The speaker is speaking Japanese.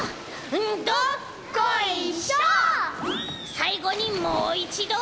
さいごにもういちど！